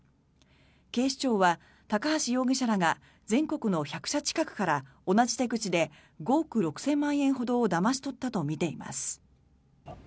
警視庁は高橋容疑者らが全国の１００社近くから同じ手口で５億６０００万円ほどをだまし取ったとみています。